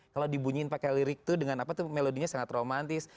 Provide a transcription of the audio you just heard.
kalau dibunyiin pakai lirik tuh dengan apa tuh melodinya sangat romantis